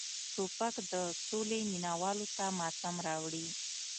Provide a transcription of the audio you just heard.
توپک د سولې مینه والو ته ماتم راوړي.